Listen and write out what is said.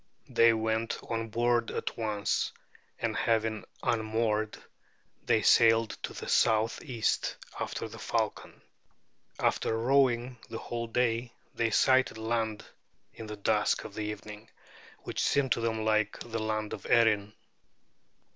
They went on board at once; and having unmoored, they sailed to the southeast after the falcon. After rowing the whole day, they sighted land in the dusk of the evening, which seemed to them like the land of Erin.